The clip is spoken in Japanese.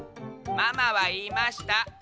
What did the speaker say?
ママはいいました。